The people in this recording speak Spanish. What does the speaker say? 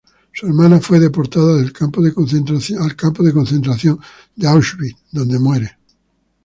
Su hermana fue deportada al campo de concentración de Auschwitz, donde muere.